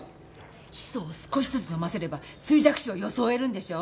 ヒ素を少しずつ飲ませれば衰弱死を装えるんでしょ？